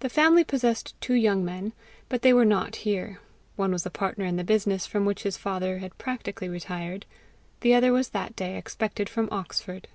The family possessed two young men, but they were not here; one was a partner in the business from which his father had practically retired; the other was that day expected from Oxford.